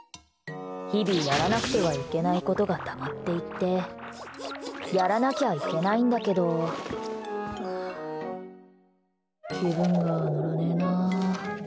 日々やらなくてはいけないことがたまっていって。やらなきゃいけないんだけど気分が乗らねえな。